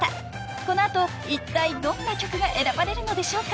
［この後いったいどんな曲が選ばれるのでしょうか］